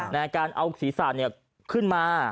ในการเอาศีรษะขึ้นมา